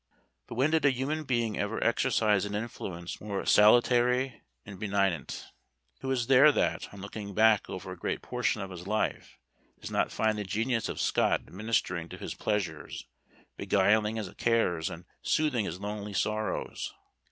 But when did a human being ever exercise an influence more salutary and benignant? Who is there that, on looking back over a great portion of his life, does not find the genius of Scott administering to his pleasures, beguiling his cares, and soothing his lonely sorrows?